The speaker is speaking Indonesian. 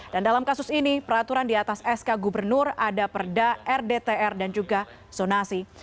dan dalam kasus ini peraturan diatas sk gubernur ada perda rdtr dan juga zonasi